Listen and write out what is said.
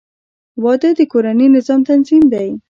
• واده د کورني نظام تنظیم دی.